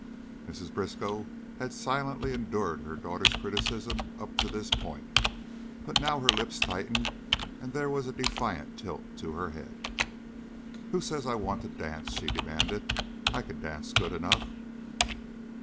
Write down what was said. Mrs. Briskow had silently endured her daughter's criticism up to this point, but now her lips tightened and there was a defiant tilt to her head. "Who says I want to dance?" she demanded. "I can dance good enough."